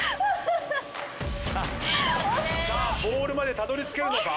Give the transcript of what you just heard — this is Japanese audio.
さあボールまでたどりつけるのか？